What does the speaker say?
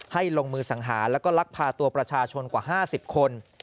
ลงมือสังหารแล้วก็ลักพาตัวประชาชนกว่า๕๐คน